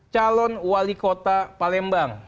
calon wali kota palembang